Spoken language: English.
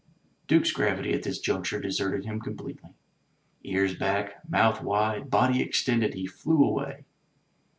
Duke's gravity at this juncture deserted him completely. Ears back, mouth wide, body extended, he flew away.